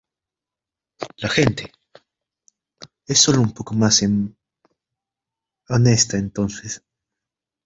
La gente es sólo un poco más honesta entonces.